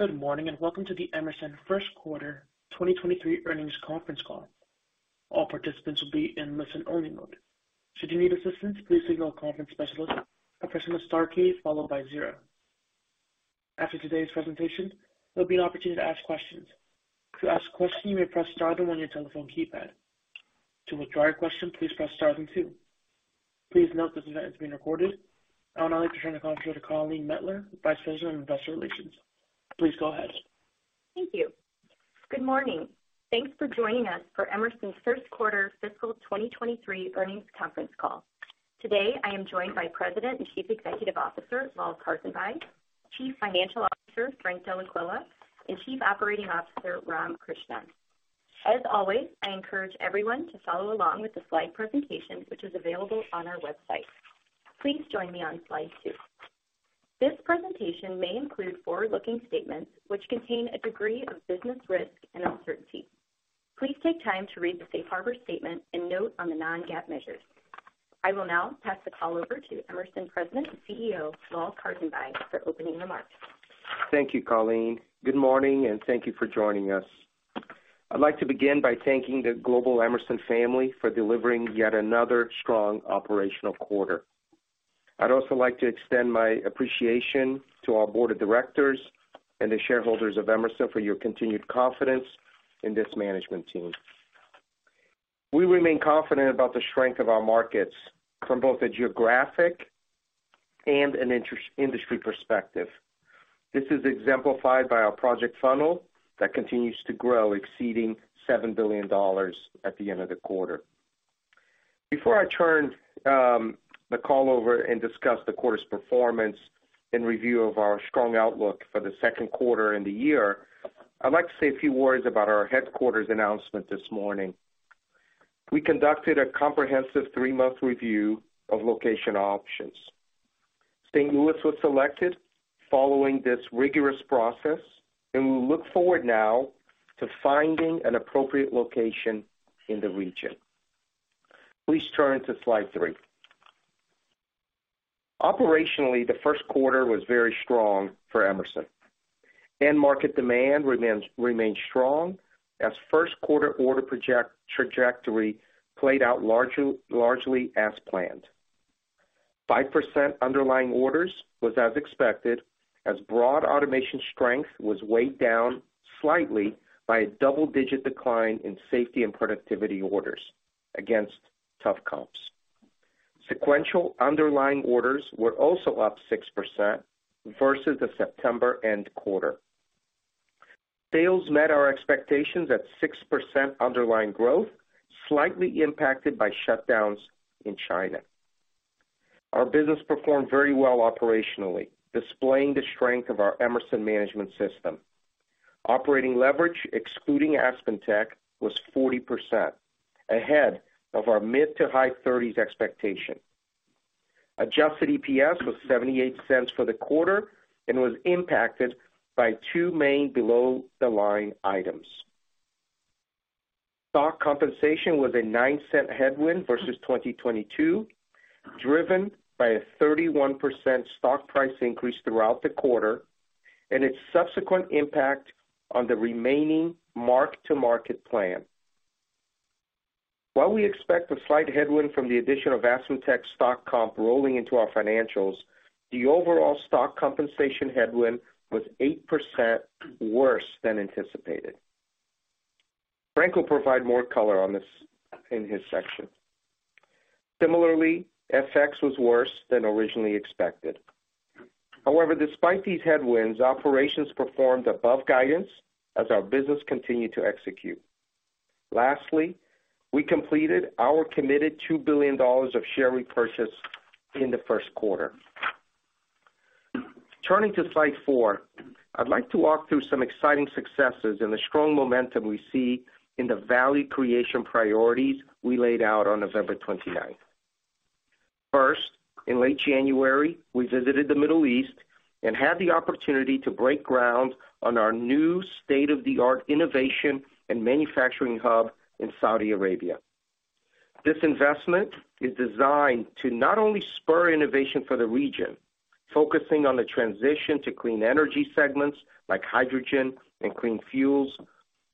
Good morning, and welcome to the Emerson Q1 2023 Earnings conference call. All participants will be in listen-only mode. Should you need assistance, please signal a conference specialist by pressing the star key followed by zero. After today's presentation, there'll be an opportunity to ask questions. To ask a question, you may press star then one on your telephone keypad. To withdraw your question, please press star then two. Please note this event is being recorded. I would now like to turn the conference over to Colleen Mettler, Vice President of Investor Relations. Please go ahead. Thank you. Good morning. Thanks for joining us for Emerson's Q1 fiscal 2023 earnings conference call. Today, I am joined by President and Chief Executive Officer, Lal Karsanbhai, Chief Financial Officer, Frank Dellaquila, and Chief Operating Officer, Ram Krishnan. As always, I encourage everyone to follow along with the slide presentation, which is available on our website. Please join me on slide two. This presentation may include forward-looking statements which contain a degree of business risk and uncertainty. Please take time to read the safe harbor statement and note on the non-GAAP measures. I will now pass the call over to Emerson President and CEO, Lal Karsanbhai, for opening remarks. Thank you, Colleen. Good morning, thank you for joining us. I'd like to begin by thanking the global Emerson family for delivering yet another strong operational quarter. I'd also like to extend my appreciation to our board of directors and the shareholders of Emerson for your continued confidence in this management team. We remain confident about the strength of our markets from both a geographic and an industry perspective. This is exemplified by our project funnel that continues to grow, exceeding $7 billion at the end of the quarter. Before I turn the call over and discuss the quarter's performance and review of our strong outlook for the Q2 and the year, I'd like to say a few words about our headquarters announcement this morning. We conducted a comprehensive three-month review of location options. Louis was selected following this rigorous process. We look forward now to finding an appropriate location in the region. Please turn to slide three. Operationally, the Q1 was very strong for Emerson. End market demand remains strong as Q1 order trajectory played out largely as planned. 5% underlying orders was as expected as broad automation strength was weighed down slightly by a double-digit decline in Safety & Productivity orders against tough comps. Sequential underlying orders were also up 6% versus the September end quarter. Sales met our expectations at 6% underlying growth, slightly impacted by shutdowns in China. Our business performed very well operationally, displaying the strength of our Emerson Management System. Operating leverage, excluding AspenTech, was 40%, ahead of our mid to high 30s expectation. Adjusted EPS was $0.78 for the quarter and was impacted by two main below-the-line items. Stock compensation was a $0.09 headwind versus 2022, driven by a 31% stock price increase throughout the quarter and its subsequent impact on the remaining mark-to-market plan. While we expect a slight headwind from the addition of AspenTech stock comp rolling into our financials, the overall stock compensation headwind was 8% worse than anticipated. Frank will provide more color on this in his section. Similarly, FX was worse than originally expected. However, despite these headwinds, operations performed above guidance as our business continued to execute. Lastly, we completed our committed $2 billion of share repurchase in the Q1. Turning to slide four, I'd like to walk through some exciting successes and the strong momentum we see in the value creation priorities we laid out on November 29th. First, in late January, we visited the Middle East and had the opportunity to break ground on our new state-of-the-art innovation and manufacturing hub in Saudi Arabia. This investment is designed to not only spur innovation for the region, focusing on the transition to clean energy segments like hydrogen and clean fuels,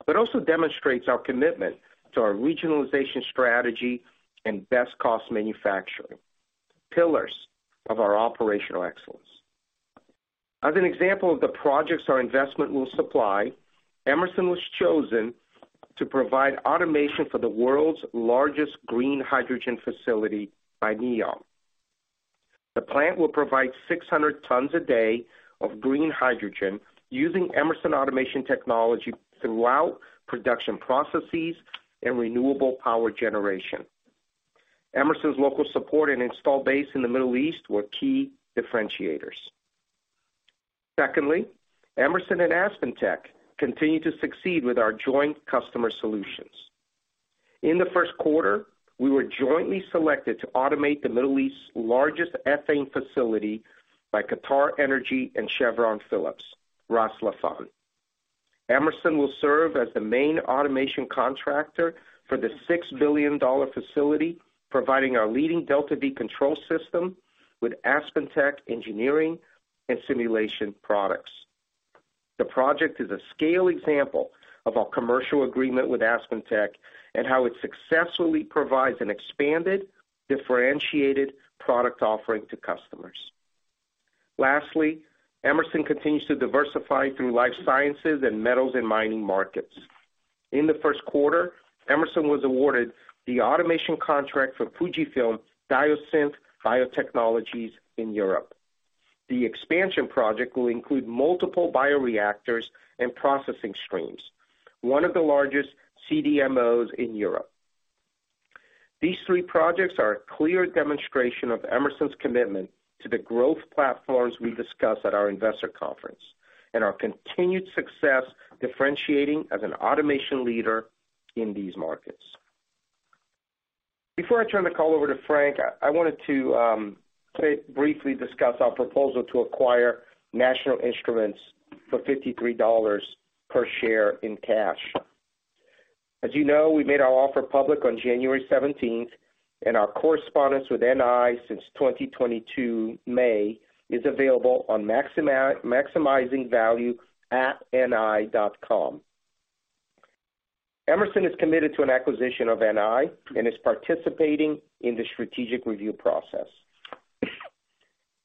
but also demonstrates our commitment to our regionalization strategy and best cost manufacturing, pillars of our operational excellence. As an example of the projects our investment will supply, Emerson was chosen to provide automation for the world's largest green hydrogen facility by NEOM. The plant will provide 600 tons a day of green hydrogen using Emerson Automation technology throughout production processes and renewable power generation. Emerson's local support and install base in the Middle East were key differentiators. Secondly, Emerson and AspenTech continue to succeed with our joint customer solutions. In the Q1, we were jointly selected to automate the Middle East's largest ethane facility by QatarEnergy and Chevron Phillips, Ras Laffan. Emerson will serve as the main automation contractor for the $6 billion facility, providing our leading DeltaV control system with AspenTech engineering and simulation products. The project is a scale example of our commercial agreement with AspenTech and how it successfully provides an expanded, differentiated product offering to customers. Emerson continues to diversify through life sciences and metals and mining markets. In the Q1, Emerson was awarded the automation contract for FUJIFILM Diosynth Biotechnologies in Europe. The expansion project will include multiple bioreactors and processing streams, one of the largest CDMOs in Europe. These three projects are a clear demonstration of Emerson's commitment to the growth platforms we discussed at our investor conference, and our continued success differentiating as an automation leader in these markets. Before I turn the call over to Frank, I wanted to briefly discuss our proposal to acquire National Instruments for $53 per share in cash. As you know, we made our offer public on January 17th, and our correspondence with NI since 2022 May is available on www.MaximizingValueAtNI.com. Emerson is committed to an acquisition of NI and is participating in the strategic review process.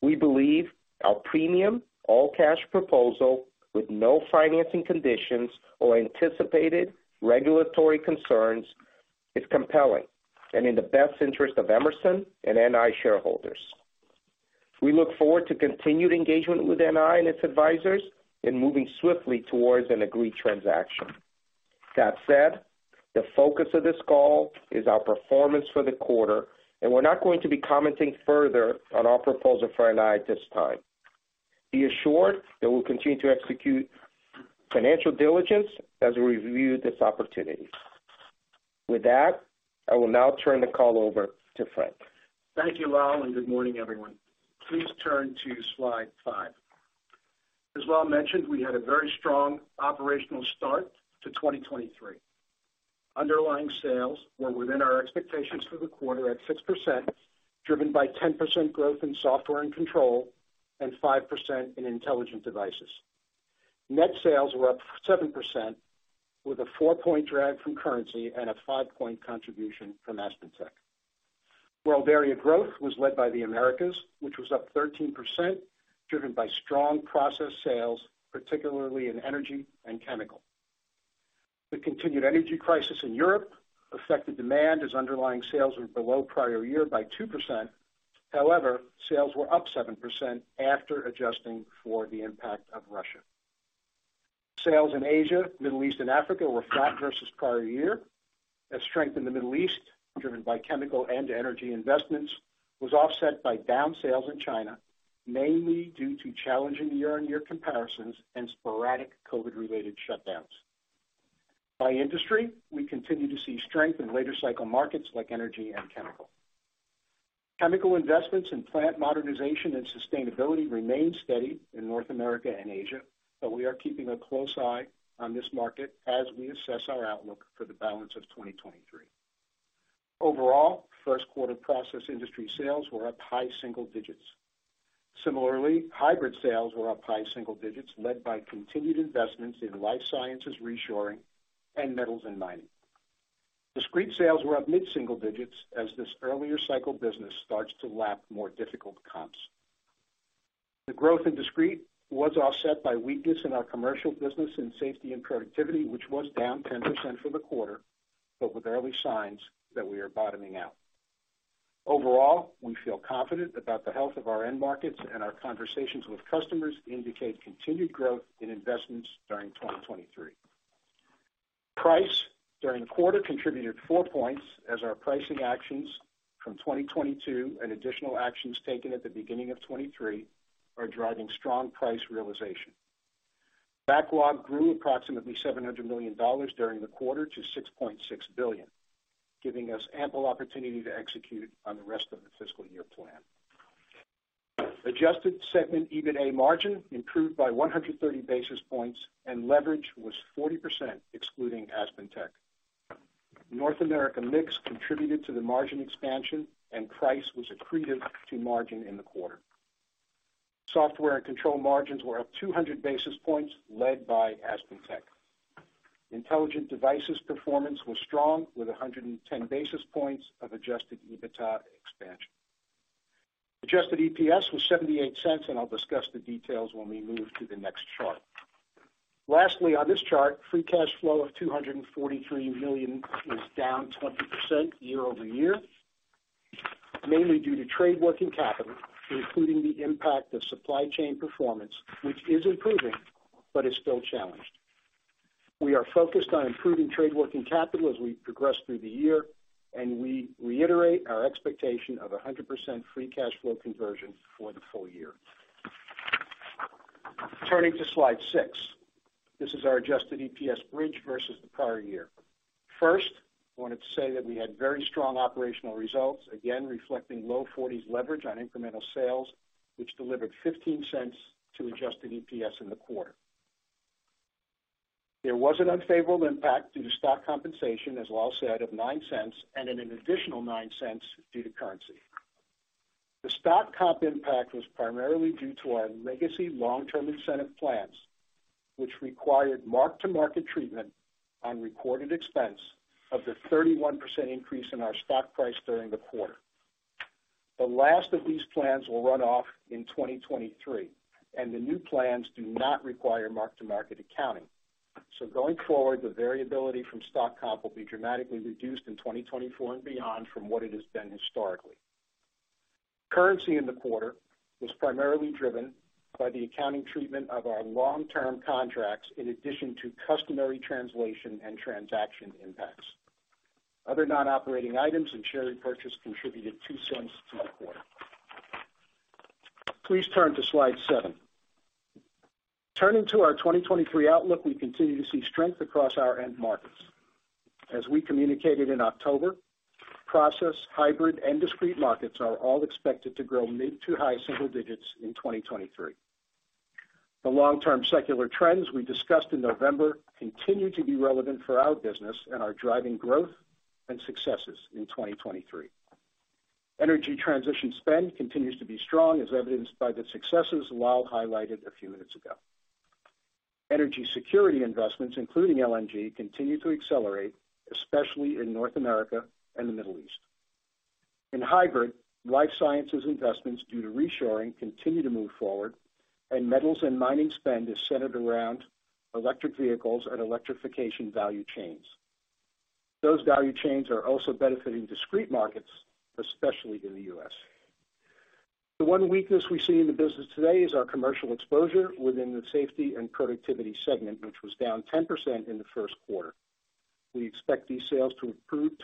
We believe our premium all-cash proposal with no financing conditions or anticipated regulatory concerns is compelling and in the best interest of Emerson and NI shareholders. We look forward to continued engagement with NI and its advisors in moving swiftly towards an agreed transaction. That said, the focus of this call is our performance for the quarter, and we're not going to be commenting further on our proposal for NI at this time. Be assured that we'll continue to execute financial diligence as we review this opportunity. With that, I will now turn the call over to Frank. Thank you, Lal. Good morning, everyone. Please turn to slide five. As Lal mentioned, we had a very strong operational start to 2023. Underlying sales were within our expectations for the quarter at 6%, driven by 10% growth in Software & Control and 5% in Intelligent Devices. Net sales were up 7% with a four point drag from currency and a five point contribution from AspenTech. World area growth was led by the Americas, which was up 13%, driven by strong process sales, particularly in energy and chemical. The continued energy crisis in Europe affected demand as underlying sales were below prior year by 2%. Sales were up 7% after adjusting for the impact of Russia. Sales in Asia, Middle East, and Africa were flat versus prior year. A strength in the Middle East, driven by chemical and energy investments, was offset by down sales in China, mainly due to challenging year-on-year comparisons and sporadic COVID-related shutdowns. By industry, we continue to see strength in later-cycle markets like energy and chemical. Chemical investments in plant modernization and sustainability remain steady in North America and Asia. We are keeping a close eye on this market as we assess our outlook for the balance of 2023. Overall, Q1 process industry sales were up high single digits. Similarly, hybrid sales were up high single digits, led by continued investments in life sciences reshoring and metals and mining. Discrete sales were up mid-single digits as this earlier-cycle business starts to lap more difficult comps. The growth in discrete was offset by weakness in our commercial business in Safety & Productivity, which was down 10% for the quarter, with early signs that we are bottoming out. Overall, we feel confident about the health of our end markets. Our conversations with customers indicate continued growth in investments during 2023. Price during quarter contributed four points as our pricing actions from 2022 and additional actions taken at the beginning of 2023 are driving strong price realization. Backlog grew approximately $700 million during the quarter to $6.6 billion, giving us ample opportunity to execute on the rest of the fiscal year plan. Adjusted segment EBITA margin improved by 130 basis points. Leverage was 40% excluding AspenTech. North America mix contributed to the margin expansion. Price was accretive to margin in the quarter. Software and Control margins were up 200 basis points led by AspenTech. Intelligent Devices performance was strong with 110 basis points of adjusted EBITA expansion. Adjusted EPS was $0.78. I'll discuss the details when we move to the next chart. Lastly, on this chart, free cash flow of $243 million was down 20% year-over-year, mainly due to trade working capital, including the impact of supply chain performance, which is improving but is still challenged. We are focused on improving trade working capital as we progress through the year, and we reiterate our expectation of 100% free cash flow conversion for the full year. Turning to slide six. This is our adjusted EPS bridge versus the prior year. First, I wanted to say that we had very strong operational results, again reflecting low 40s leverage on incremental sales, which delivered $0.15 to adjusted EPS in the quarter. There was an unfavorable impact due to stock compensation, as Lal said, of $0.09 and an additional $0.09 due to currency. The stock comp impact was primarily due to our legacy long-term incentive plans, which required mark-to-market treatment on recorded expense of the 31% increase in our stock price during the quarter. The last of these plans will run off in 2023. The new plans do not require mark-to-market accounting. Going forward, the variability from stock comp will be dramatically reduced in 2024 and beyond from what it has been historically. Currency in the quarter was primarily driven by the accounting treatment of our long-term contracts in addition to customary translation and transaction impacts. Other non-operating items and share repurchase contributed $0.02 to the quarter. Please turn to slide seven. Turning to our 2023 outlook, we continue to see strength across our end markets. As we communicated in October, process, hybrid, and discrete markets are all expected to grow mid-to-high single digits in 2023. The long-term secular trends we discussed in November continue to be relevant for our business and are driving growth and successes in 2023. Energy transition spend continues to be strong, as evidenced by the successes Lal highlighted a few minutes ago. Energy security investments, including LNG, continue to accelerate, especially in North America and the Middle East. In hybrid, life sciences investments due to reshoring continue to move forward, and metals and mining spend is centered around electric vehicles and electrification value chains. Those value chains are also benefiting discrete markets, especially in the U.S. The one weakness we see in the business today is our commercial exposure within the Safety & Productivity segment, which was down 10% in the Q1. We expect these sales to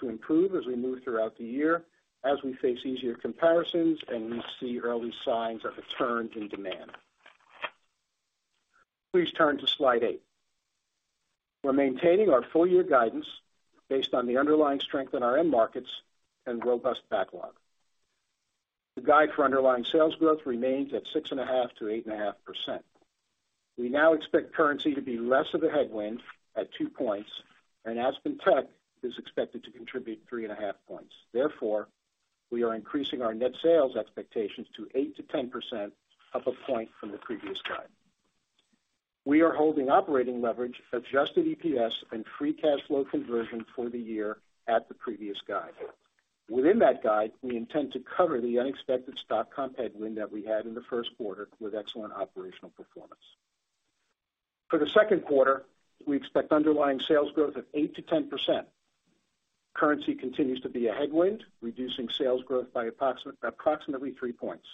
improve as we move throughout the year, as we face easier comparisons and we see early signs of a turn in demand. Please turn to slide eight. We're maintaining our full year guidance based on the underlying strength in our end markets and robust backlog. The guide for underlying sales growth remains at 6.5%-8.5%. We now expect currency to be less of a headwind at two points, and AspenTech is expected to contribute 3.5 points. We are increasing our net sales expectations to 8%-10% up one point from the previous guide. We are holding operating leverage, adjusted EPS, and free cash flow conversion for the year at the previous guide. Within that guide, we intend to cover the unexpected stock comp headwind that we had in the Q1 with excellent operational performance. For the Q2, we expect underlying sales growth of 8%-10%. Currency continues to be a headwind, reducing sales growth by approximately three points.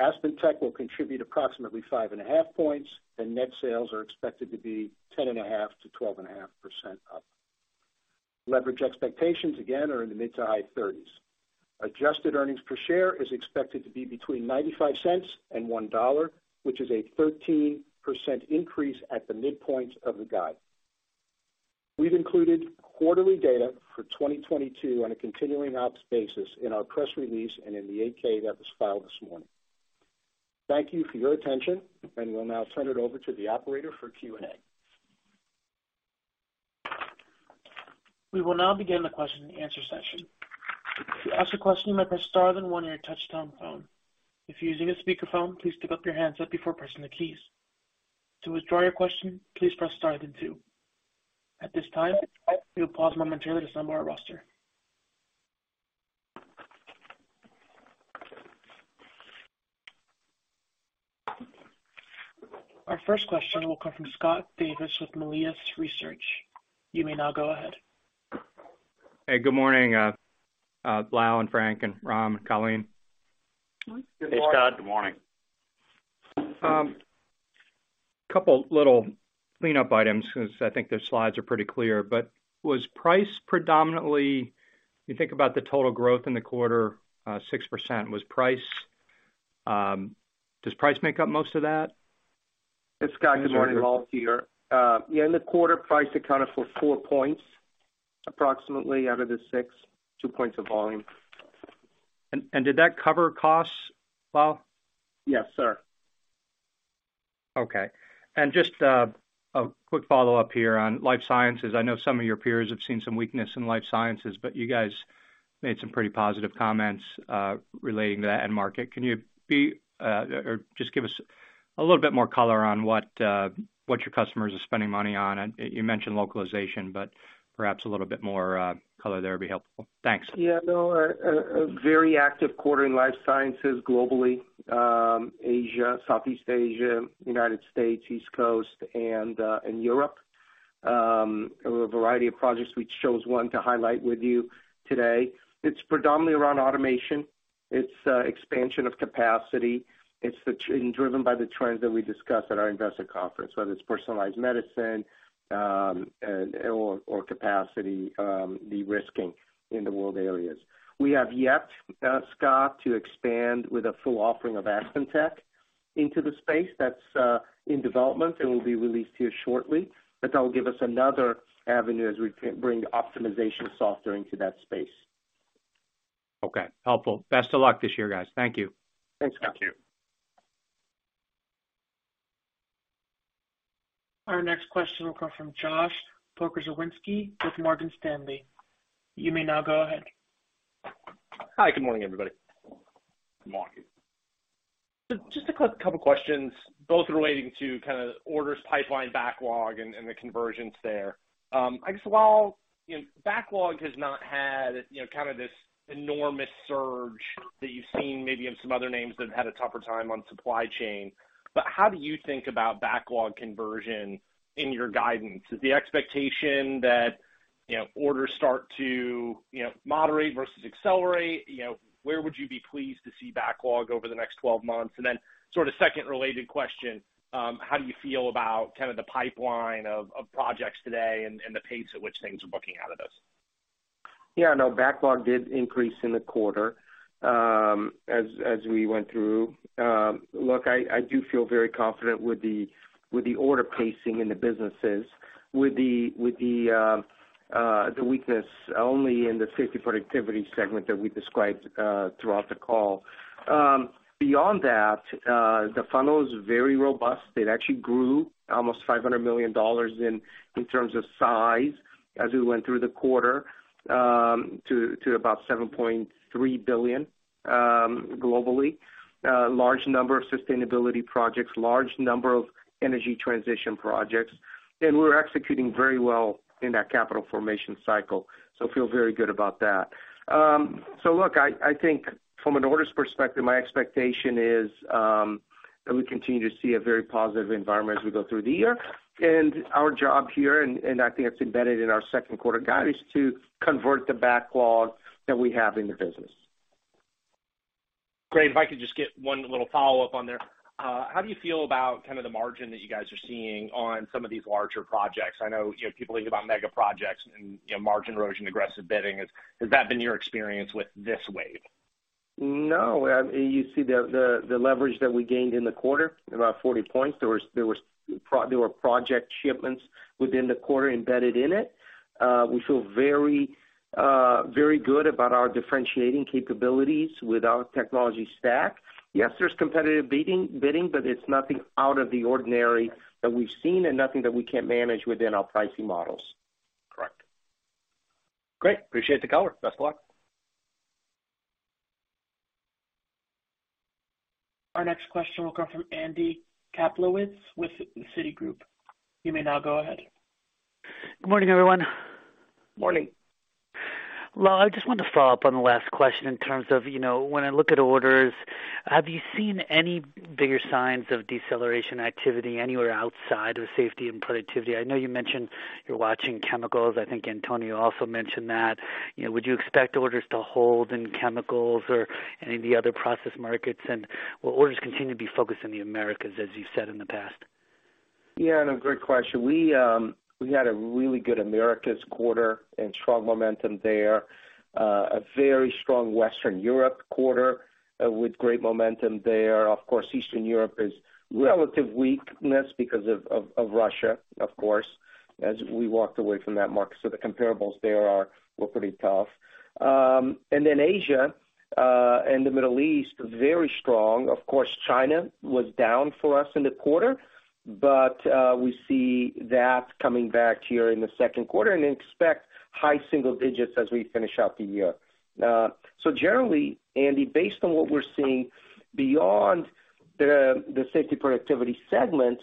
AspenTech will contribute approximately 5.5 points, and net sales are expected to be 10.5%-12.5% up. Leverage expectations again are in the mid-to-high 30s. Adjusted earnings per share is expected to be between $0.95 and $1.00, which is a 13% increase at the midpoint of the guide. We've included quarterly data for 2022 on a continuing ops basis in our press release and in the 8-K that was filed this morning. Thank you for your attention. We'll now turn it over to the operator for Q&A. We will now begin the question and answer session. To ask a question, you may press star then one on your touchtone phone. If you're using a speakerphone, please pick up your handset before pressing the keys. To withdraw your question, please press star then two. At this time, we'll pause momentarily to assemble our roster. Our first question will come from Scott Davis with Melius Research. You may now go ahead. Hey, good morning, Lal and Frank and Ram and Colleen. Good morning. Hey, Scott. Good morning. Couple little cleanup items because I think the slides are pretty clear, was price predominantly, you think about the total growth in the quarter, 6%. Was price, does price make up most of that? It's Scott. Good morning. Lal here. Yeah, in the quarter price accounted for four points approximately out of the six, two points of volume. Did that cover costs, Lal? Yes, sir. Okay. Just, a quick follow-up here on life sciences. I know some of your peers have seen some weakness in life sciences, but you guys made some pretty positive comments, relating to that end market. Can you be, or just give us a little bit more color on what your customers are spending money on? You mentioned localization, but perhaps a little bit more, color there would be helpful. Thanks. No, a very active quarter in life sciences globally. Asia, Southeast Asia, United States, East Coast, and Europe. A variety of projects. We chose one to highlight with you today. It's predominantly around automation. It's expansion of capacity. It's driven by the trends that we discussed at our investor conference, whether it's personalized medicine, and/or capacity, de-risking in the world areas. We have yet, Scott, to expand with a full offering of AspenTech. Into the space that's in development and will be released here shortly. That will give us another avenue as we can bring optimization software into that space. Okay, helpful. Best of luck this year, guys. Thank you. Thanks. Thank you. Our next question will come from Josh Pokrzywinski with Morgan Stanley. You may now go ahead. Hi. Good morning, everybody. Good morning. Just a quick couple questions, both relating to kind of orders pipeline backlog and the conversions there. I guess while, you know, backlog has not had, you know, kind of this enormous surge that you've seen maybe in some other names that have had a tougher time on supply chain. How do you think about backlog conversion in your guidance? Is the expectation that, you know, orders start to, you know, moderate versus accelerate? You know, where would you be pleased to see backlog over the next 12 months? Sort of second related question, how do you feel about kind of the pipeline of projects today and the pace at which things are booking out of this? Backlog did increase in the quarter as we went through. I do feel very confident with the order pacing in the businesses, with the weakness only in the Safety & Productivity segment that we described throughout the call. Beyond that, the funnel is very robust. It actually grew almost $500 million in terms of size as we went through the quarter to about $7.3 billion globally. A large number of sustainability projects, large number of energy transition projects, and we're executing very well in that capital formation cycle, so feel very good about that. I think from an orders perspective, my expectation is that we continue to see a very positive environment as we go through the year. Our job here, and I think it's embedded in our Q2 guide, is to convert the backlog that we have in the business. Great. If I could just get one little follow-up on there. How do you feel about kind of the margin that you guys are seeing on some of these larger projects? I know, you know, people think about mega projects and, you know, margin erosion, aggressive bidding. Has that been your experience with this wave? No. You see the leverage that we gained in the quarter, about 40 points. There were project shipments within the quarter embedded in it. We feel very good about our differentiating capabilities with our technology stack. Yes, there's competitive bidding, but it's nothing out of the ordinary that we've seen and nothing that we can't manage within our pricing models. Correct. Great. Appreciate the color. Best of luck. Our next question will come from Andy Kaplowitz with Citigroup. You may now go ahead. Good morning, everyone. Morning. Well, I just wanted to follow up on the last question in terms of, you know, when I look at orders, have you seen any bigger signs of deceleration activity anywhere outside of Safety & Productivity? I know you mentioned you're watching chemicals. I think Antonio also mentioned that. You know, would you expect orders to hold in chemicals or any of the other process markets? Will orders continue to be focused in the Americas, as you've said in the past? No, great question. We had a really good Americas quarter and strong momentum there. A very strong Western Europe quarter, with great momentum there. Of course, Eastern Europe is relative weakness because of Russia, of course, as we walked away from that market. The comparables there are, were pretty tough. Asia, and the Middle East, very strong. Of course, China was down for us in the quarter, but, we see that coming back here in the Q2 and expect high single digits as we finish out the year. Generally, Andy, based on what we're seeing beyond the Safety & Productivity segment,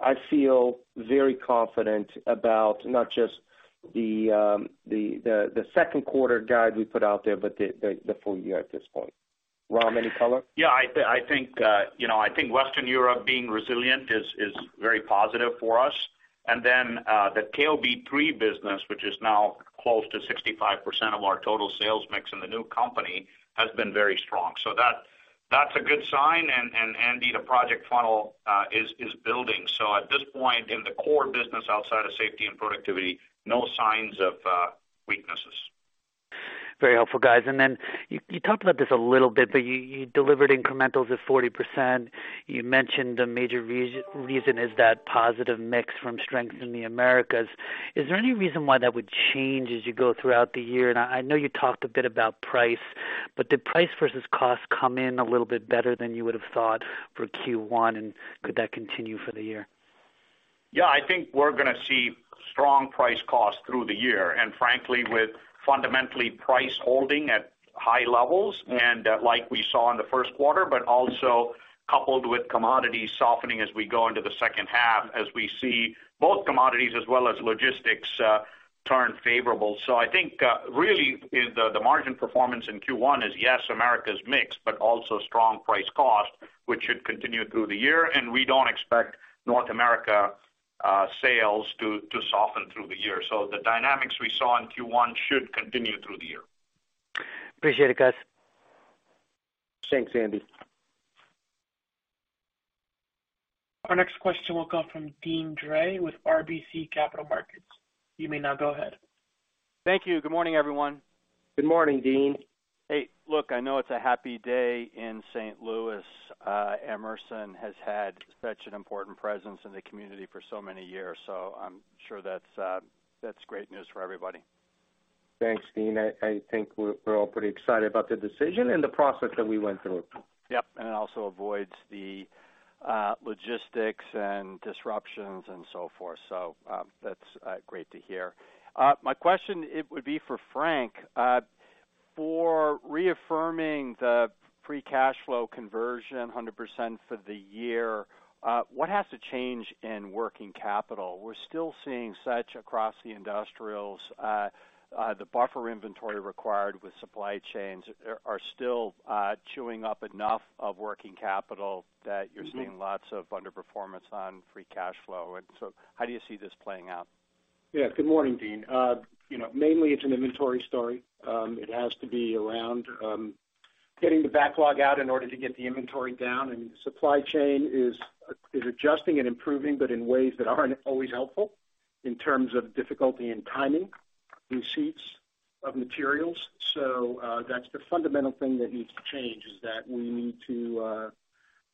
I feel very confident about not just the Q2 guide we put out there, but the full year at this point. Ram, any color? I think, you know, I think Western Europe being resilient is very positive for us. Then, the KOB3 business, which is now close to 65% of our total sales mix in the new company, has been very strong. That's a good sign. Andy, the project funnel is building. At this point in the core business outside of Safety & Productivity, no signs of weaknesses. Very helpful, guys. You talked about this a little bit, but you delivered incrementals of 40%. You mentioned the major reason is that positive mix from strength in the Americas. Is there any reason why that would change as you go throughout the year? I know you talked a bit about price, but did price versus cost come in a little bit better than you would have thought for Q1, and could that continue for the year? Yeah, I think we're gonna see strong price costs through the year. Frankly, with fundamentally price holding at high levels and, like we saw in the Q1, but also coupled with commodity softening as we go into the second half, as we see both commodities as well as logistics, turn favorable. I think, really the margin performance in Q1 is, yes, America's mix, but also strong price cost, which should continue through the year. We don't expect North America sales to soften through the year. The dynamics we saw in Q1 should continue through the year. Appreciate it, guys. Thanks, Andy. Our next question will come from Deane Dray with RBC Capital Markets. You may now go ahead. Thank you. Good morning, everyone. Good morning, Deane. Hey, look, I know it's a happy day in St. Louis. Emerson has had such an important presence in the community for so many years, so I'm sure that's great news for everybody. Thanks, Deane. I think we're all pretty excited about the decision and the process that we went through. Yep. It also avoids the logistics and disruptions and so forth. That's great to hear. My question it would be for Frank. For reaffirming the free cash flow conversion 100% for the year, what has to change in working capital? We're still seeing such across the industrials. The buffer inventory required with supply chains are still chewing up enough of working capital that you're seeing lots of underperformance on free cash flow. How do you see this playing out? Yeah. Good morning, Deane. you know, mainly it's an inventory story. it has to be around getting the backlog out in order to get the inventory down. Supply chain is adjusting and improving, but in ways that aren't always helpful in terms of difficulty in timing receipts of materials. That's the fundamental thing that needs to change, is that we need to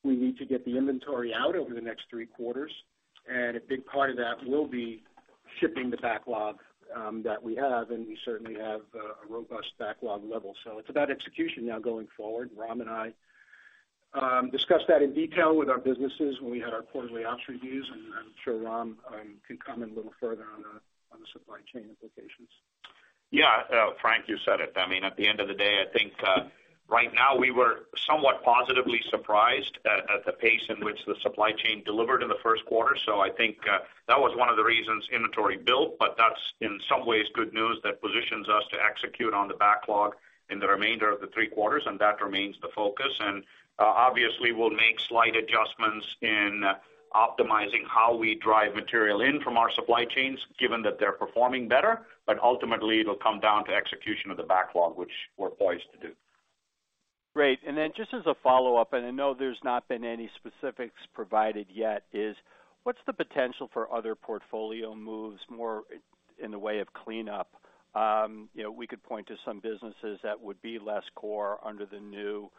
we need to get the inventory out over the next three quarters, and a big part of that will be shipping the backlog that we have. We certainly have a robust backlog level. It's about execution now going forward. Ram and I discussed that in detail with our businesses when we had our quarterly ops reviews, and I'm sure Ram can comment a little further on the supply chain implications. Frank, you said it. I mean, at the end of the day, I think right now we were somewhat positively surprised at the pace in which the supply chain delivered in the Q1. I think that was one of the reasons inventory built, but that's in some ways good news that positions us to execute on the backlog in the remainder of the three quarters, and that remains the focus. Obviously, we'll make slight adjustments in optimizing how we drive material in from our supply chains, given that they're performing better. Ultimately, it'll come down to execution of the backlog, which we're poised to do. Great. Just as a follow-up, I know there's not been any specifics provided yet, is what's the potential for other portfolio moves more in the way of cleanup? You know, we could point to some businesses that would be less core under the new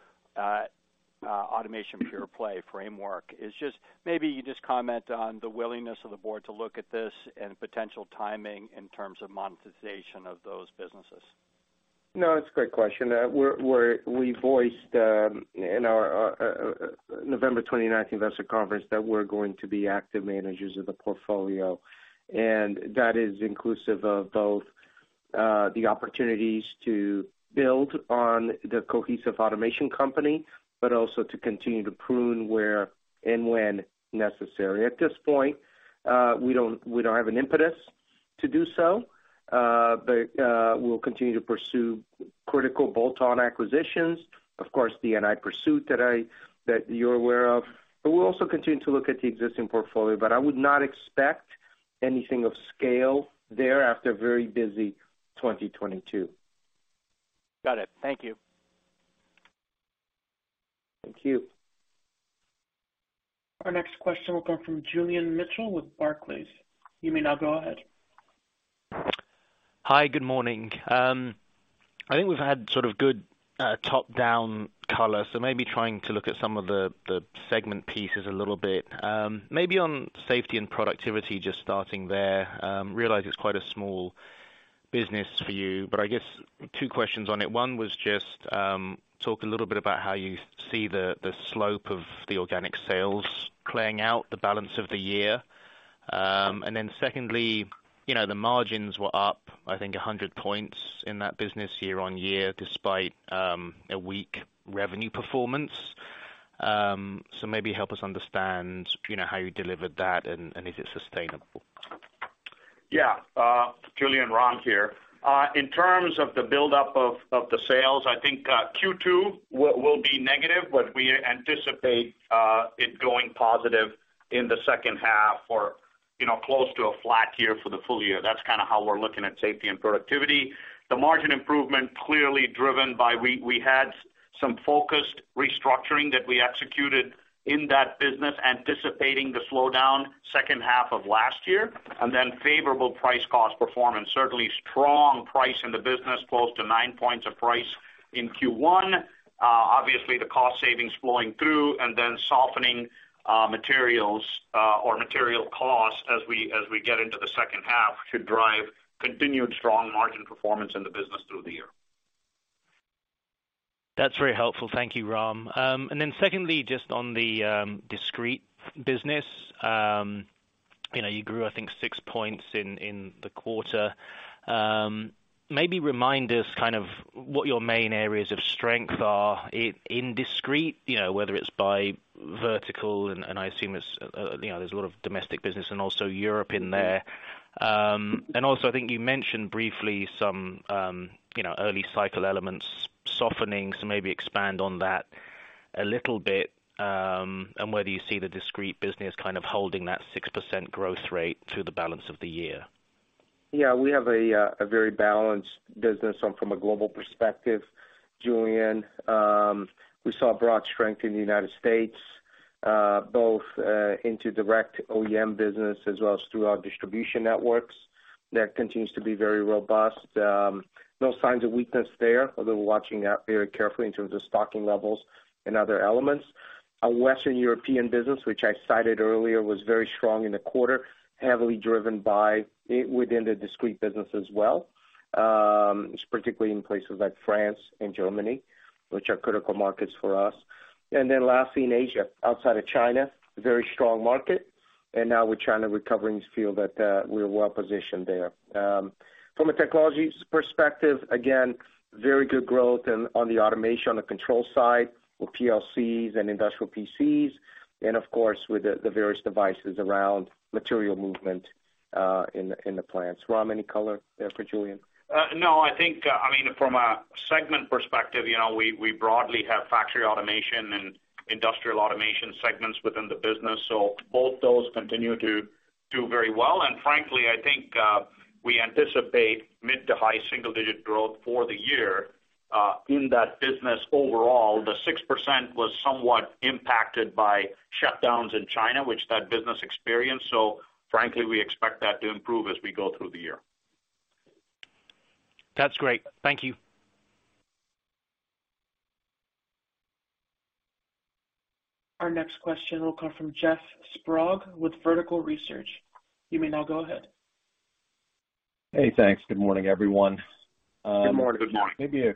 automation pure play framework. It's just maybe you just comment on the willingness of the board to look at this and potential timing in terms of monetization of those businesses. No, it's a great question. We voiced in our November 2019 investor conference that we're going to be active managers of the portfolio, and that is inclusive of both the opportunities to build on the cohesive automation company, but also to continue to prune where and when necessary. At this point, we don't have an impetus to do so. We'll continue to pursue critical bolt-on acquisitions. Of course, the NI pursuit that you're aware of. We'll also continue to look at the existing portfolio. I would not expect anything of scale there after a very busy 2022. Got it. Thank you. Thank you. Our next question will come from Julian Mitchell with Barclays. You may now go ahead. Hi. Good morning. I think we've had sort of good top-down color, so maybe trying to look at some of the segment pieces a little bit. Maybe on Safety & Productivity, just starting there, realize it's quite a small business for you. I guess two questions on it. One was just, talk a little bit about how you see the slope of the organic sales playing out the balance of the year. Secondly, you know, the margins were up, I think, 100 points in that business year-on-year despite a weak revenue performance. Maybe help us understand, you know, how you delivered that and is it sustainable? Yeah. Julian, Ram here. In terms of the buildup of the sales, I think Q2 will be negative, but we anticipate it going positive in the second half or, you know, close to a flat year for the full year. That's kind of how we're looking at Safety & Productivity. The margin improvement clearly driven by we had some focused restructuring that we executed in that business, anticipating the slowdown second half of last year, and then favorable price-cost performance, certainly strong price in the business, close to nine points of price in Q1. Obviously the cost savings flowing through and then softening materials or material costs as we get into the second half should drive continued strong margin performance in the business through the year. That's very helpful. Thank you, Ram. Secondly, just on the discrete business, you know, you grew I think 6% in the quarter. Maybe remind us kind of what your main areas of strength are in discrete, you know, whether it's by vertical, and I assume it's, you know, there's a lot of domestic business and also Europe in there? Also I think you mentioned briefly some, you know, early cycle elements softening, so maybe expand on that a little bit, and whether you see the discrete business kind of holding that 6% growth rate through the balance of the year? Yeah, we have a very balanced business from a global perspective, Julian. We saw broad strength in the United States, both into direct OEM business as well as through our distribution networks. That continues to be very robust. No signs of weakness there, although we're watching out very carefully in terms of stocking levels and other elements. Our Western European business, which I cited earlier, was very strong in the quarter, heavily driven by, within the discrete business as well. Particularly in places like France and Germany, which are critical markets for us. Lastly, in Asia, outside of China, very strong market. With China recovering, we feel that we're well positioned there. From a technologies perspective, again, very good growth in, on the automation, on the control side with PLCs and industrial PCs, and of course, with the various devices around material movement, in the plants. Ram, any color there for Julian? No, I think, I mean, from a segment perspective, you know, we broadly have factory automation and industrial automation segments within the business. Both those continue to do very well. Frankly, I think, we anticipate mid-to-high single-digit growth for the year in that business. Overall, the 6% was somewhat impacted by shutdowns in China, which that business experienced. Frankly, we expect that to improve as we go through the year. That's great. Thank you. Our next question will come from Jeff Sprague with Vertical Research. You may now go ahead. Hey, thanks. Good morning, everyone. Good morning. Good morning. Maybe a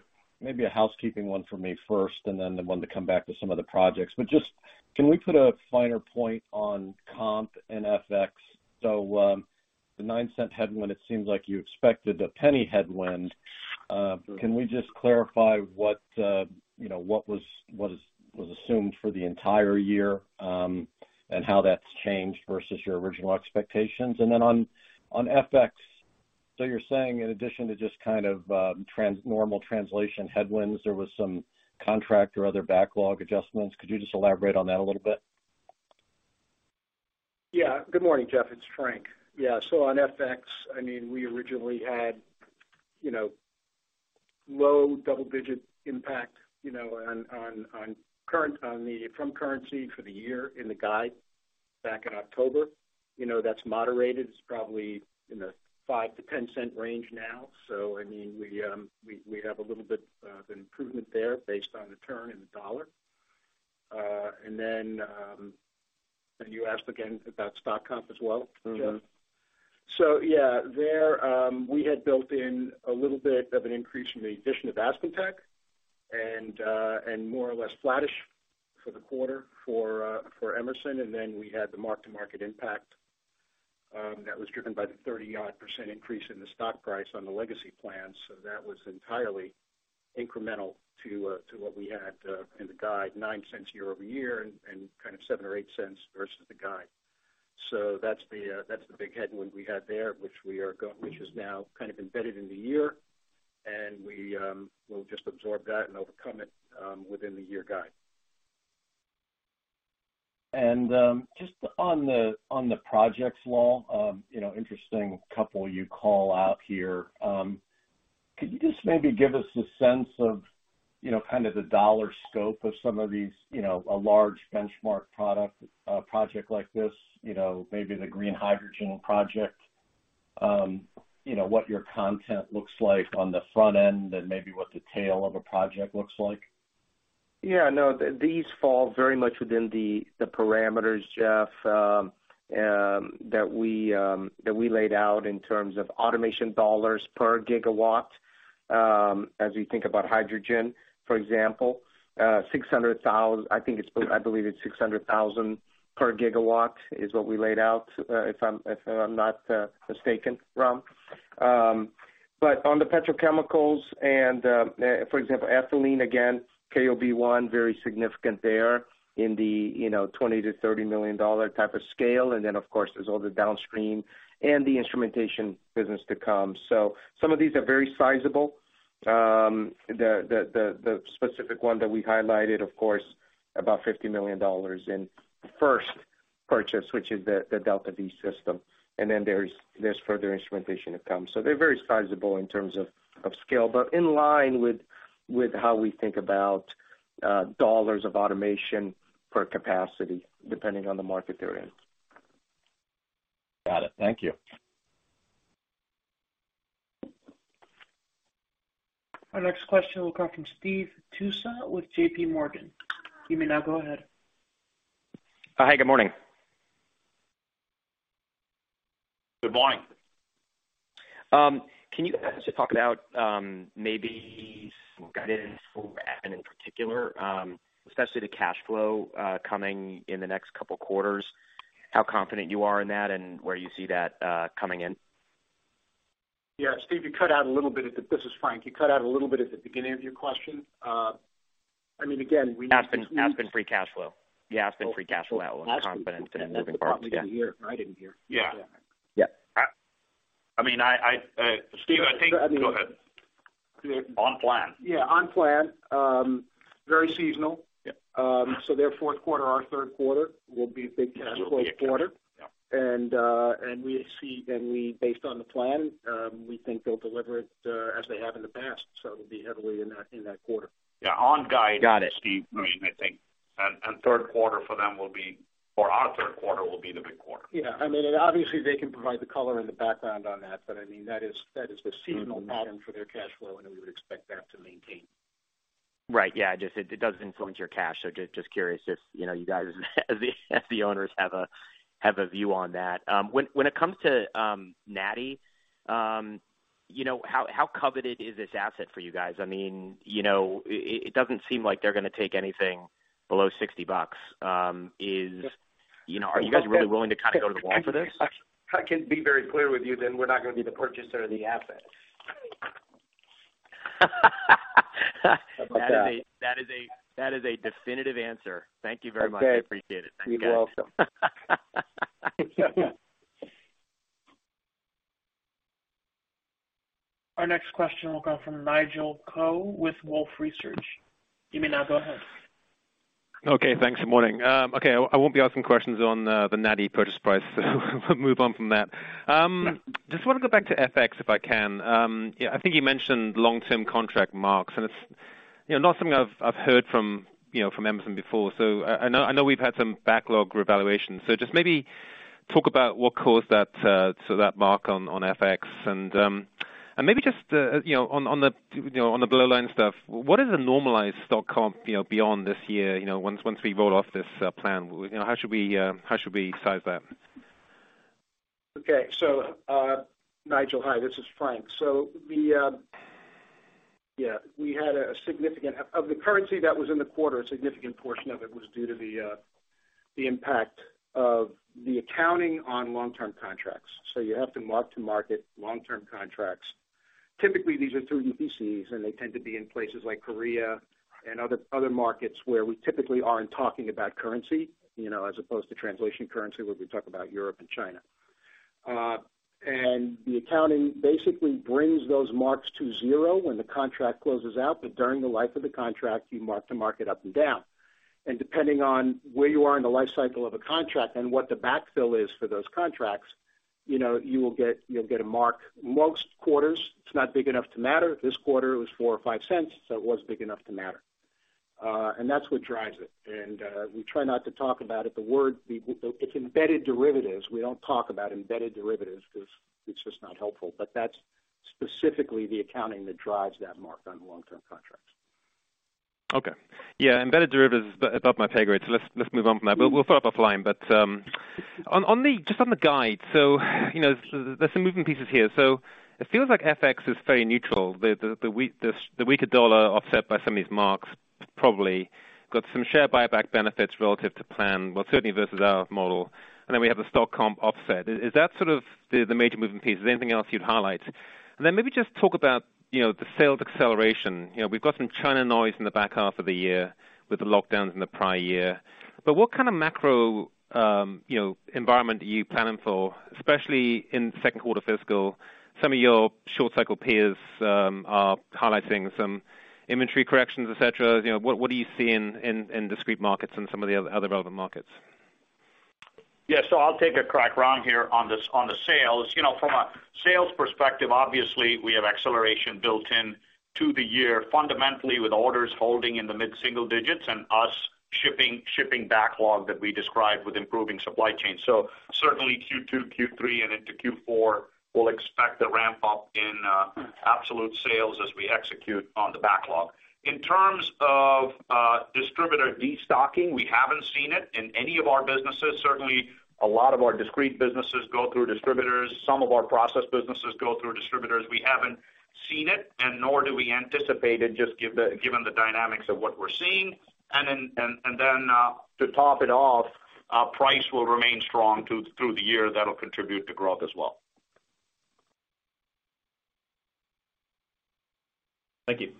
housekeeping one for me first, then the one to come back to some of the projects. Just can we put a finer point on comp and FX? The $0.09 headwind, it seems like you expected a $0.01 headwind. Can we just clarify what, you know, what was, what is, was assumed for the entire year, and how that's changed versus your original expectations? Then on FX, you're saying in addition to just kind of normal translation headwinds, there was some contract or other backlog adjustments. Could you just elaborate on that a little bit? Yeah. Good morning, Jeff. It's Frank. Yeah. On FX, I mean, we originally had, you know, low double-digit impact, you know, from currency for the year in the guide back in October. You know, that's moderated. It's probably in the $0.05-$0.10 range now. I mean, we have a little bit of an improvement there based on the turn in the dollar. Then, you asked again about stock comp as well? Mm-hmm. Yeah, there, we had built in a little bit of an increase from the addition of AspenTech and more or less flattish for the quarter for Emerson. Then we had the mark-to-market impact that was driven by the 30% odd increase in the stock price on the legacy plan. That was entirely incremental to what we had in the guide, $0.09 year-over-year and kind of $0.07 or $0.08 versus the guide. That's the big headwind we had there, which is now kind of embedded in the year, and we'll just absorb that and overcome it within the year guide. Just on the projects Lal, you know, interesting couple you call out here. Could you just maybe give us a sense of, you know, kind of the dollar scope of some of these, you know, a large benchmark product, project like this, you know, maybe the green hydrogen project, you know, what your content looks like on the front end and maybe what the tail of a project looks like? No. These fall very much within the parameters, Jeff, that we laid out in terms of automation dollars per gigawatt. As we think about hydrogen, for example, $600,000, I believe it's $600,000 per gigawatt is what we laid out, if I'm not mistaken, Ram. But on the petrochemicals and, for example, ethylene, again, KOB1, very significant there in the, you know, $20 million-$30 million type of scale. Then, of course, there's all the downstream and the instrumentation business to come. Some of these are very sizable. The specific one that we highlighted, of course, about $50 million in first purchase, which is the DeltaV system. Then there's further instrumentation to come. They're very sizable in terms of scale, but in line with how we think about dollars of automation per capacity, depending on the market they're in. Got it. Thank you. Our next question will come from Steve Tusa with JPMorgan. You may now go ahead. Hi, good morning. Good morning. Can you guys just talk about, maybe some guidance for Aspen in particular, especially the cash flow, coming in the next couple quarters, how confident you are in that and where you see that, coming in? Yeah. Steve, you cut out a little bit at the, this is Frank. You cut out a little bit at the beginning of your question. I mean, again, Aspen free cash flow. The Aspen free cash flow, our confidence moving forward. That's what I didn't hear. Yeah. Yeah. I mean, I, Steve. I mean- Go ahead. On plan. Yeah, on plan. Very seasonal. Yeah. Their Q4, our Q3 will be a big cash flow quarter. Yeah. Based on the plan, we think they'll deliver it, as they have in the past, so it'll be heavily in that quarter. Yeah. On guide. Got it. I mean, I think. Q3 for them will be or our Q3 will be the big quarter. Yeah. I mean, obviously they can provide the color and the background on that, but I mean that is the seasonal pattern for their cash flow, and we would expect that to maintain. Right. Yeah. Just it does influence your cash. Just curious if, you know, you guys as the owners have a view on that. When it comes to NATI, you know how coveted is this asset for you guys? I mean, you know, it doesn't seem like they're gonna take anything below $60. Is? You know, are you guys really willing to kind of go to the wall for this? If I can be very clear with you then we're not gonna be the purchaser of the asset. That is a definitive answer. Thank you very much. Okay. I appreciate it. Thanks, guys. You're welcome. Our next question will come from Nigel Coe with Wolfe Research. You may now go ahead. Okay, thanks. Good morning. Okay, I won't be asking questions on the NATI purchase price. Move on from that. Just wanna go back to FX, if I can. Yeah, I think you mentioned long-term contract marks, and it's, you know, not something I've heard from, you know, from Emerson before. I know we've had some backlog revaluation. Just maybe talk about what caused that, so that mark on FX and maybe just, you know, on the below line stuff, what is a normalized stock comp, you know, beyond this year, you know, once we roll off this plan? You know, how should we size that? Okay. Nigel, hi, this is Frank. Yeah, of the currency that was in the quarter, a significant portion of it was due to the impact of the accounting on long-term contracts. You have to mark to market long-term contracts. Typically, these are through EPCs, and they tend to be in places like Korea and other markets where we typically aren't talking about currency, you know, as opposed to translation currency, where we talk about Europe and China. The accounting basically brings those marks to zero when the contract closes out, but during the life of the contract, you mark to market up and down. Depending on where you are in the life cycle of a contract and what the backfill is for those contracts, you know, you'll get a mark. Most quarters, it's not big enough to matter. This quarter it was $0.04-$0.05, so it was big enough to matter. That's what drives it. We try not to talk about it. It's embedded derivatives. We don't talk about embedded derivatives 'cause it's just not helpful. That's specifically the accounting that drives that mark on long-term contracts. Okay. Yeah, embedded derivatives, above my pay grade, so let's move on from that. We'll follow up offline. Just on the guide, you know, there's some moving pieces here. It feels like FX is very neutral. The weaker dollar offset by some of these marks probably got some share buyback benefits relative to plan, well, certainly versus our model. We have the stock comp offset. Is that sort of the major moving piece? Is there anything else you'd highlight? Maybe just talk about, you know, the sales acceleration. You know, we've got some China noise in the back half of the year with the lockdowns in the prior year. What kind of macro, you know, environment are you planning for, especially in Q2 fiscal? Some of your short cycle peers, are highlighting some inventory corrections, et cetera. You know, what do you see in discrete markets and some of the other relevant markets? I'll take a crack, Ram, here on the sales. You know, from a sales perspective, obviously we have acceleration built in to the year fundamentally with orders holding in the mid-single digits and us shipping backlog that we described with improving supply chain. Certainly Q2, Q3, and into Q4, we'll expect a ramp up in absolute sales as we execute on the backlog. In terms of distributor destocking, we haven't seen it in any of our businesses. Certainly, a lot of our discrete businesses go through distributors. Some of our process businesses go through distributors. We haven't seen it, and nor do we anticipate it just given the dynamics of what we're seeing. To top it off, our price will remain strong through the year. That'll contribute to growth as well. Thank you.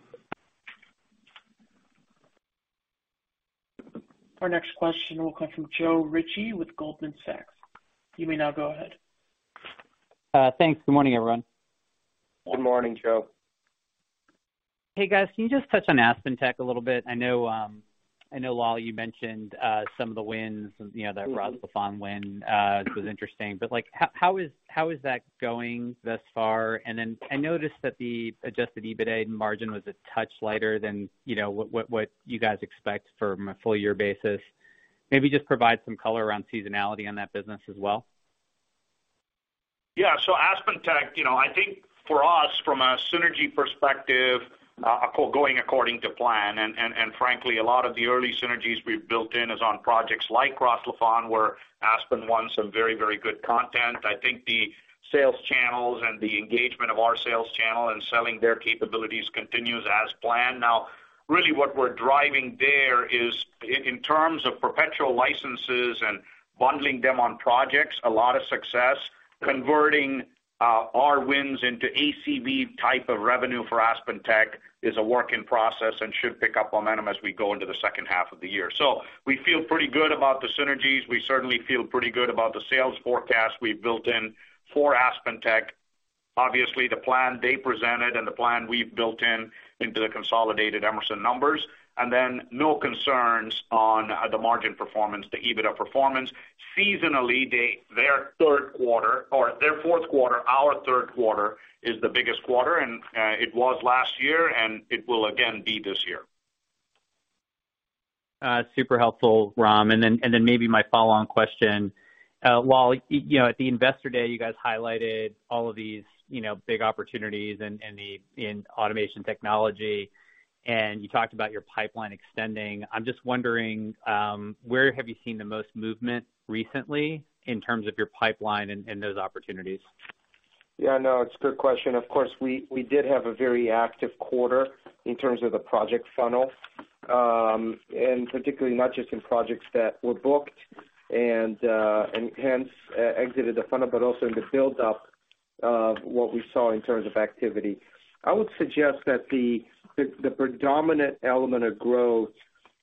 Our next question will come from Joe Ritchie with Goldman Sachs. You may now go ahead. Thanks. Good morning, everyone. Good morning, Joe. Hey, guys. Can you just touch on AspenTech a little bit? I know, I know, Lal, you mentioned some of the wins, and, you know, that Ras Laffan win was interesting. Like, how is that going thus far? I noticed that the adjusted EBITA margin was a touch lighter than, you know, what you guys expect from a full year basis. Maybe just provide some color around seasonality on that business as well. Yeah. AspenTech, you know, I think for us from a synergy perspective, going according to plan. And frankly, a lot of the early synergies we've built in is on projects like Ras Laffan, where Aspen won some very, very good content. I think the sales channels and the engagement of our sales channel and selling their capabilities continues as planned. Really what we're driving there is in terms of perpetual licenses and bundling them on projects, a lot of success. Converting our wins into ACV type of revenue for AspenTech is a work in process and should pick up momentum as we go into the second half of the year. We feel pretty good about the synergies. We certainly feel pretty good about the sales forecast we've built in for AspenTech. Obviously, the plan they presented and the plan we've built into the consolidated Emerson numbers, and then no concerns on the margin performance, the EBITDA performance. Seasonally, their Q3 or their Q4, our Q3 is the biggest quarter, and it was last year, and it will again be this year. Super helpful, Ram. Maybe my follow-on question. While, you know, at the Investor Day, you guys highlighted all of these, you know, big opportunities in automation technology, and you talked about your pipeline extending. I'm just wondering, where have you seen the most movement recently in terms of your pipeline and those opportunities? Yeah, no, it's a good question. Of course, we did have a very active quarter in terms of the project funnel, and particularly not just in projects that were booked and hence exited the funnel, but also in the build up of what we saw in terms of activity. I would suggest that the predominant element of growth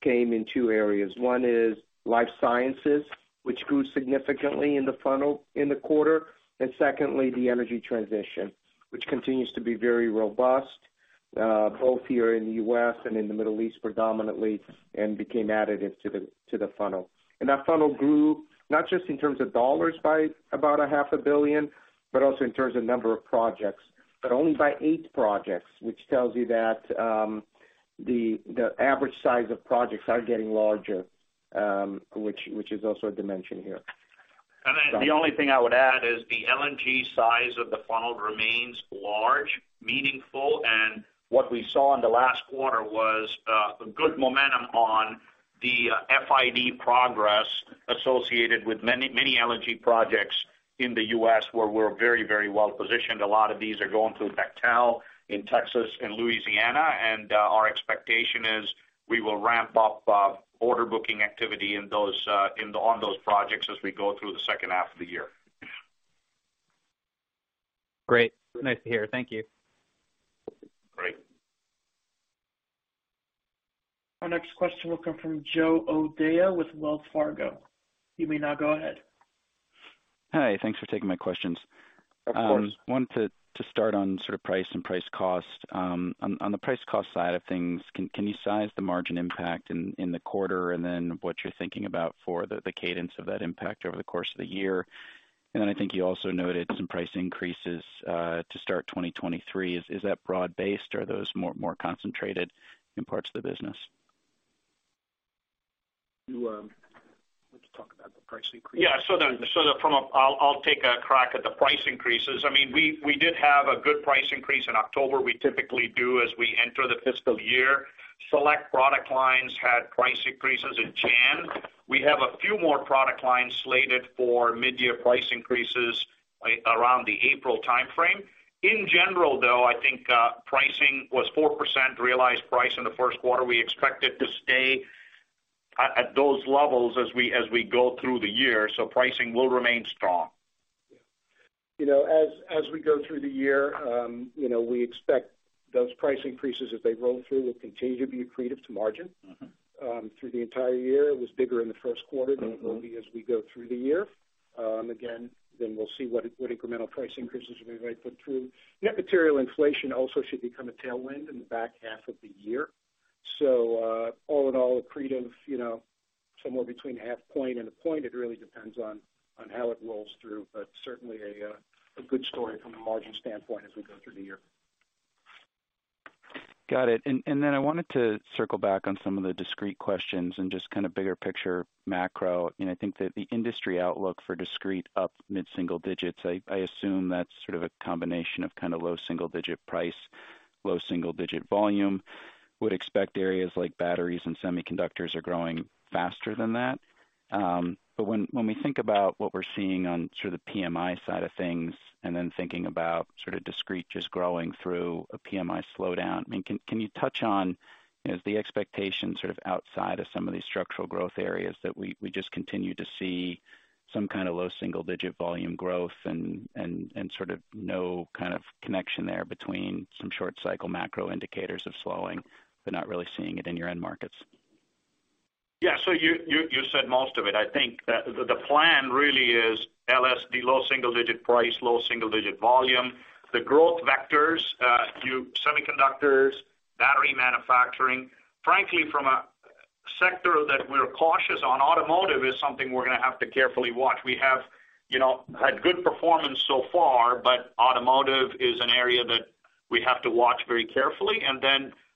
came in two areas. One is life sciences, which grew significantly in the funnel in the quarter, and secondly, the energy transition, which continues to be very robust, both here in the U.S. and in the Middle East predominantly, and became additive to the, to the funnel. That funnel grew not just in terms of dollars by about a half a billion, but also in terms of number of projects, but only by eight projects, which tells you that, the average size of projects are getting larger, which is also a dimension here. The only thing I would add is the LNG size of the funnel remains large, meaningful. What we saw in the last quarter was a good momentum on the FID progress associated with many, many LNG projects in the U.S. where we're very, very well positioned. A lot of these are going through Bechtel in Texas and Louisiana. Our expectation is we will ramp up order booking activity in those on those projects as we go through the second half of the year. Great. Nice to hear. Thank you. Great. Our next question will come from Joe O'Dea with Wells Fargo. You may now go ahead. Hi. Thanks for taking my questions. Of course. wanted to start on sort of price and price cost. on the price cost side of things, can you size the margin impact in the quarter and then what you're thinking about for the cadence of that impact over the course of the year? I think you also noted some price increases to start 2023. Is that broad-based or are those more concentrated in parts of the business? You, want to talk about the price increase? Yeah. I'll take a crack at the price increases. I mean, we did have a good price increase in October. We typically do as we enter the fiscal year. Select product lines had price increases in January. We have a few more product lines slated for mid-year price increases around the April timeframe. In general, though, I think pricing was 4% realized price in the Q1. We expect it to stay at those levels as we go through the year. Pricing will remain strong. You know, as we go through the year, you know, we expect those price increases as they roll through will continue to be accretive to margin through the entire year. It was bigger in the Q1 than it will be as we go through the year. Again, we'll see what incremental price increases we might put through. Net material inflation also should become a tailwind in the back half of the year. All in all, accretive, you know, somewhere between a half point and a point. It really depends on how it rolls through, but certainly a good story from a margin standpoint as we go through the year. Got it. I wanted to circle back on some of the discrete questions and just kind of bigger picture macro. I think that the industry outlook for discrete up mid-single digits, I assume that's sort of a combination of kind of low single digit price, low single digit volume. Would expect areas like batteries and semiconductors are growing faster than that. When we think about what we're seeing on sort of the PMI side of things, and then thinking about sort of discrete just growing through a PMI slowdown, I mean, can you touch on, you know, is the expectation sort of outside of some of these structural growth areas that we just continue to see some kind of low single digit volume growth and sort of no kind of connection there between some short cycle macro indicators of slowing, but not really seeing it in your end markets? You said most of it. I think that the plan really is LSD, low single-digit price, low single-digit volume. The growth vectors, semiconductors, battery manufacturing. Frankly, from a sector that we're cautious on, automotive is something we're gonna have to carefully watch. We have, you know, had good performance so far, but automotive is an area that we have to watch very carefully.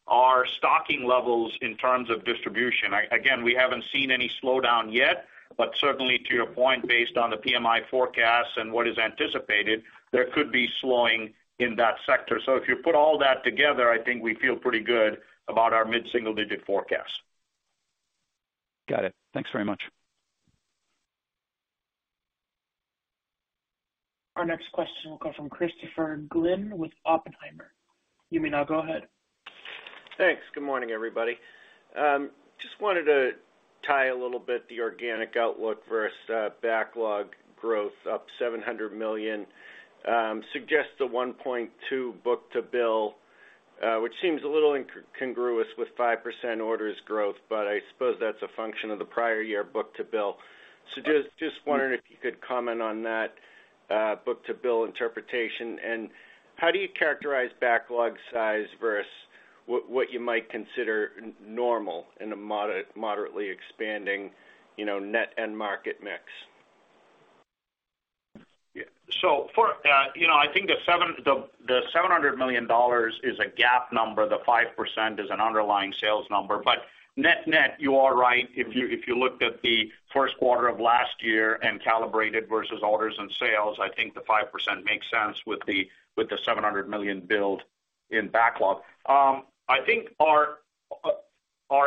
Our stocking levels in terms of distribution. Again, we haven't seen any slowdown yet, but certainly to your point, based on the PMI forecast and what is anticipated, there could be slowing in that sector. If you put all that together, I think we feel pretty good about our mid-single-digit forecast. Got it. Thanks very much. Our next question will come from Christopher Glynn with Oppenheimer. You may now go ahead. Thanks. Good morning, everybody. Just wanted to tie a little bit the organic outlook versus backlog growth up $700 million suggests the 1.2 book-to-bill, which seems a little incongruous with 5% orders growth, but I suppose that's a function of the prior year book-to-bill. Just wondering if you could comment on that book-to-bill interpretation. How do you characterize backlog size versus what you might consider normal in a moderately expanding, you know, net end market mix? Yeah. For, you know, I think the $700 million is a GAAP number. The 5% is an underlying sales number. Net-net, you are right. If you, if you looked at the Q1 of last year and calibrated versus orders and sales, I think the 5% makes sense with the $700 million build in backlog. I think our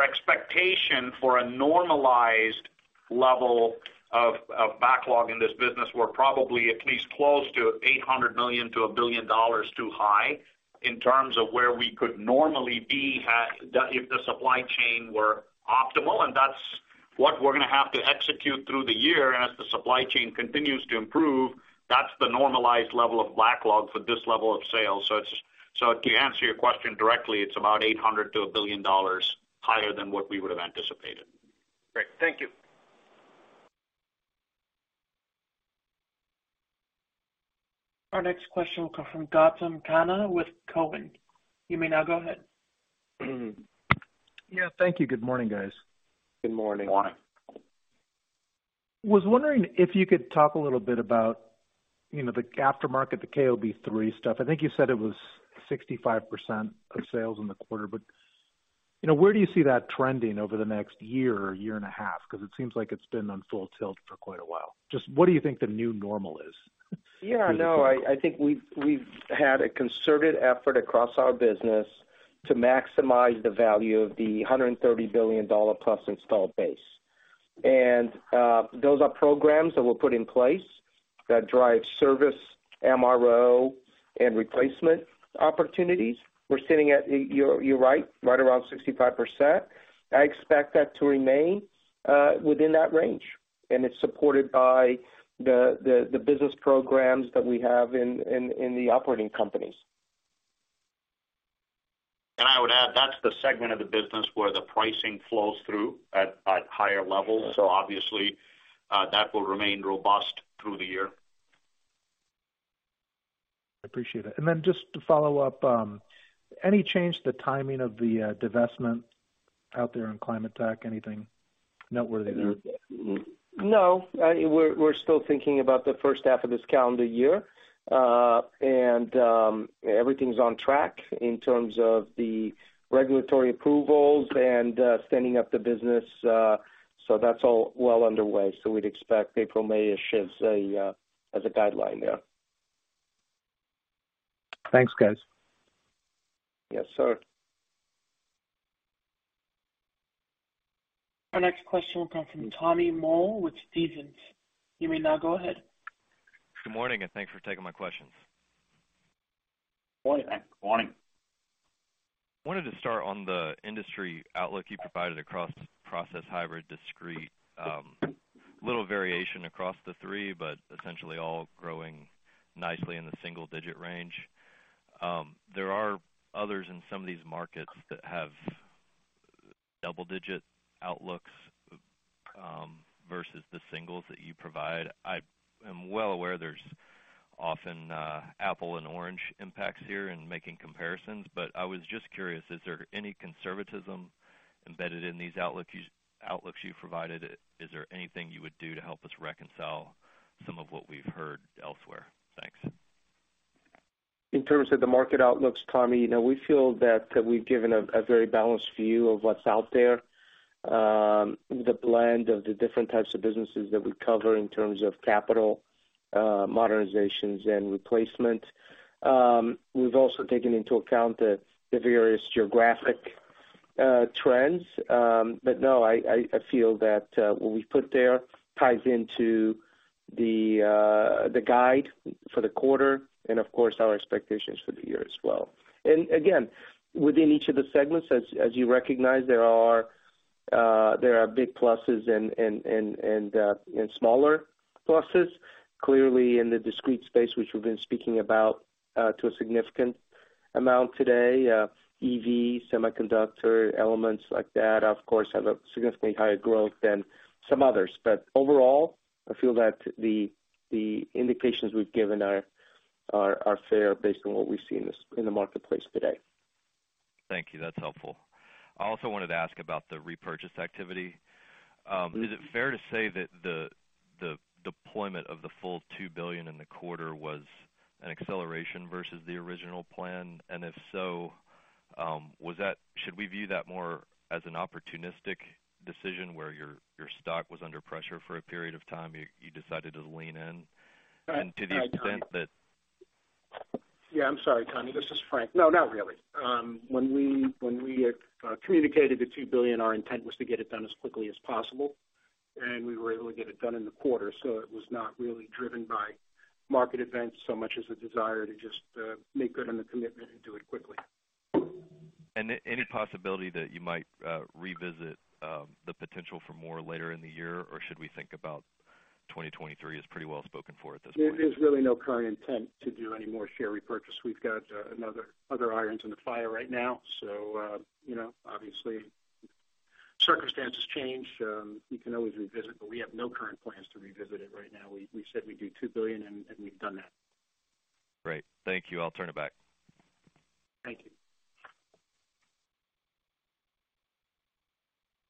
expectation for a normalized level of backlog in this business were probably at least close to $800 million-$1 billion too high in terms of where we could normally be, if the supply chain were optimal, and that's what we're gonna have to execute through the year. As the supply chain continues to improve, that's the normalized level of backlog for this level of sales. To answer your question directly, it's about $800-$1 billion higher than what we would have anticipated. Great. Thank you. Our next question will come from Gautam Khanna with Cowen. You may now go ahead. Yeah, thank you. Good morning, guys. Good morning. Morning. Was wondering if you could talk a little bit about, you know, the aftermarket, the KOB3 stuff. I think you said it was 65% of sales in the quarter, but, you know, where do you see that trending over the next year or year and a half? It seems like it's been on full tilt for quite a while. Just what do you think the new normal is? Yeah, no, I think we've had a concerted effort across our business to maximize the value of the $130 billion+ installed base. Those are programs that were put in place that drive service, MRO, and replacement opportunities. We're sitting at, you're right around 65%. I expect that to remain within that range, and it's supported by the business programs that we have in the operating companies. I would add, that's the segment of the business where the pricing flows through at higher levels. obviously, that will remain robust through the year. I appreciate it. Just to follow up, any change to the timing of the divestment out there in Climate Technologies, anything noteworthy there? I mean, we're still thinking about the first half of this calendar year. Everything's on track in terms of the regulatory approvals and standing up the business. That's all well underway. We'd expect April, May-ish as a guideline there. Thanks, guys. Yes, sir. Our next question will come from Tommy Moll with Stephens. You may now go ahead. Good morning, thanks for taking my questions. Morning. Morning. Wanted to start on the industry outlook you provided across process, hybrid, discrete. Little variation across the three, but essentially all growing nicely in the single-digit range. There are others in some of these markets that have double-digit outlooks, versus the singles that you provide. I am well aware there's often, apple and orange impacts here in making comparisons, but I was just curious, is there any conservatism embedded in these outlooks you provided? Is there anything you would do to help us reconcile some of what we've heard elsewhere? Thanks. In terms of the market outlooks, Tommy, you know, we feel that we've given a very balanced view of what's out there, the blend of the different types of businesses that we cover in terms of capital, modernizations, and replacement. We've also taken into account the various geographic trends. No, I feel that what we've put there ties into the guide for the quarter and of course, our expectations for the year as well. Again, within each of the segments, as you recognize, there are big pluses and smaller pluses. Clearly in the discrete space, which we've been speaking about to a significant amount today, EV, semiconductor, elements like that, of course, have a significantly higher growth than some others. Overall, I feel that the indications we've given are fair based on what we see in the marketplace today. Thank you. That's helpful. I also wanted to ask about the repurchase activity. Is it fair to say that the deployment of the full $2 billion in the quarter was an acceleration versus the original plan? If so, should we view that more as an opportunistic decision where your stock was under pressure for a period of time, you decided to lean in? To the extent that- I'm sorry, Tommy Moll. This is Frank Dellaquila. No, not really. When we communicated the $2 billion, our intent was to get it done as quickly as possible. We were able to get it done in the quarter, so it was not really driven by market events so much as a desire to just make good on the commitment and do it quickly. Any possibility that you might revisit the potential for more later in the year? Or should we think about 2023 as pretty well spoken for at this point? There is really no current intent to do any more share repurchase. We've got other irons in the fire right now. You know, obviously circumstances change. We can always revisit, but we have no current plans to revisit it right now. We said we'd do $2 billion and we've done that. Great. Thank you. I'll turn it back. Thank you.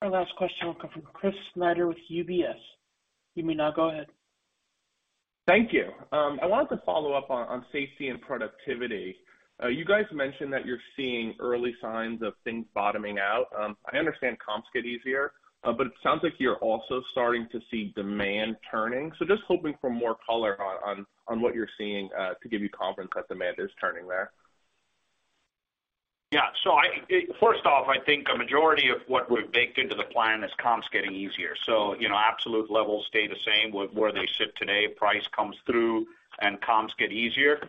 Our last question will come from Chris Snyder with UBS. You may now go ahead. Thank you. I wanted to follow up on Safety & Productivity. You guys mentioned that you're seeing early signs of things bottoming out. I understand comps get easier, but it sounds like you're also starting to see demand turning. Just hoping for more color on, on what you're seeing, to give you confidence that demand is turning there. Yeah. First off, I think a majority of what we've baked into the plan is comps getting easier. You know, absolute levels stay the same with where they sit today, price comes through and comps get easier.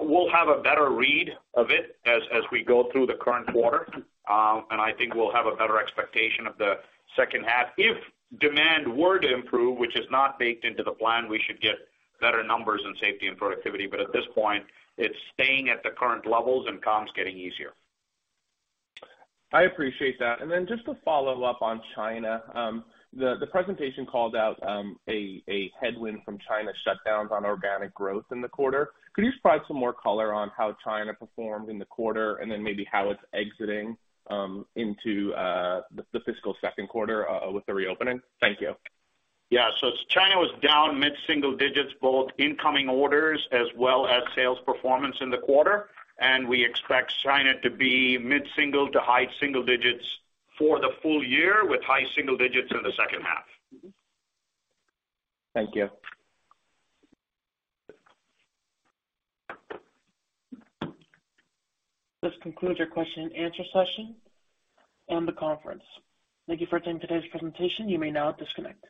We'll have a better read of it as we go through the current quarter. I think we'll have a better expectation of the second half. If demand were to improve, which is not baked into the plan, we should get better numbers in Safety & Productivity. At this point, it's staying at the current levels and comps getting easier. I appreciate that. Just to follow up on China. The presentation called out a headwind from China shutdowns on organic growth in the quarter. Could you provide some more color on how China performed in the quarter, and then maybe how it's exiting, into the fiscal Q2, with the reopening? Thank you. Yeah. China was down mid-single digits, both incoming orders as well as sales performance in the quarter. We expect China to be mid-single to high single digits for the full year with high single digits in the second half. Thank you. This concludes our question and answer session and the conference. Thank you for attending today's presentation. You may now disconnect.